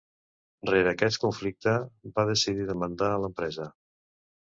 Rere aquest conflicte va decidir demandar a l'empresa.